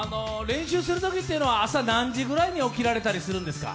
練習するときというのは朝何時ぐらいに起きられたりするんですか？